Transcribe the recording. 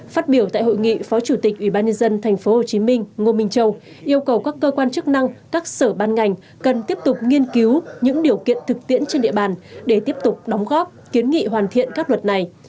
phát biểu tại hội nghị phó chủ tịch ubnd tp hcm ngô minh châu yêu cầu các cơ quan chức năng các sở ban ngành cần tiếp tục nghiên cứu những điều kiện thực tiễn trên địa bàn để tiếp tục đóng góp kiến nghị hoàn thiện các luật này